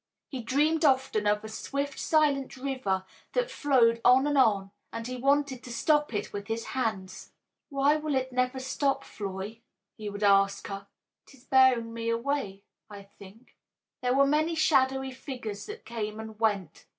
He dreamed often of a swift, silent river that flowed on and on, and he wanted to stop it with his hands. "Why will it never stop, Floy?" he would ask her. "It is bearing me away, I think." There were many shadowy figures that came and went.